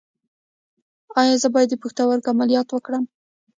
ایا زه باید د پښتورګو عملیات وکړم؟